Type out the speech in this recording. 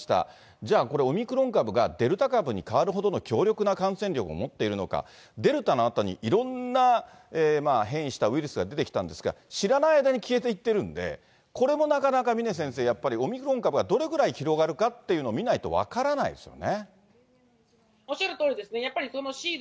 じゃあ、これ、オミクロン株がデルタ株に替わるほどの強力な感染力を持っているのか、デルタのあとに、いろんな変異したウイルスが出てきたんですが、知らない間に消えていってるんで、これもなかなか、峰先生、やっぱり、オミクロン株が、どれくらい広がるかっていうのをみないと分からないですよね。